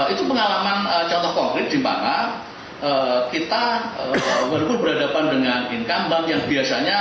itu pengalaman contoh konkret di mana kita walaupun berhadapan dengan incumbent yang biasanya